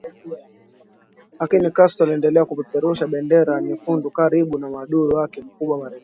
lakini Castro aliendelea kupeperusha bendera nyekundu karibu na maadui wake mkubwa Marekani